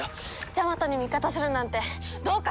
ジャマトに味方するなんてどうかしてる！